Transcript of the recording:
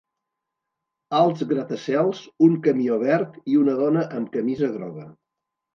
Alts gratacels, un camió verd i una dona amb camisa groga.